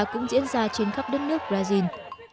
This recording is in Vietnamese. cũng diễn ra trên khắp đất nước brazil